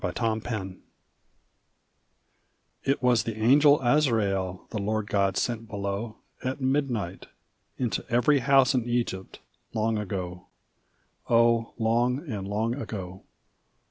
IN EGYPT It was the Angel Azrael the Lord God sent below At midnight, into every house in Egypt, long ago 0 long, and long ago.